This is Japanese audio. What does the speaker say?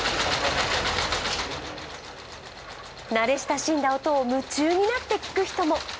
慣れ親しんだ音を夢中になって聞く人も。